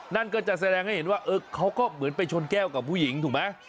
นั่นก็จะแสดงให้เห็นว่าเขาก็เหมือนไปชนแก้วกับผู้หญิงถูกไหม